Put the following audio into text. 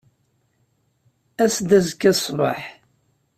Aset-d azekka ṣṣbeḥ.